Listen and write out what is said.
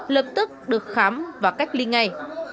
lập tức được khám và cách ly ngay